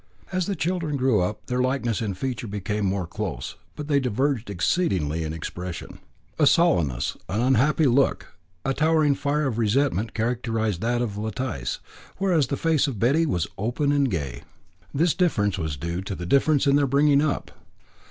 As the children grew up their likeness in feature became more close, but they diverged exceedingly in expression. A sullenness, an unhappy look, a towering fire of resentment characterised that of Letice, whereas the face of Betty was open and gay. This difference was due to the difference in their bringing up.